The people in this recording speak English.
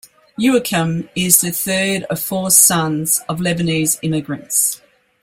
Youakim is the third of four sons of Lebanese immigrants.